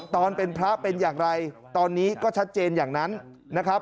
ตอนเป็นพระเป็นอย่างไรตอนนี้ก็ชัดเจนอย่างนั้นนะครับ